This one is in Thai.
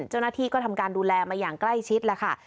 เจ้าหน้าที่ก็ทำการดูแลมาอย่างใกล้ชิดแล้วค่ะ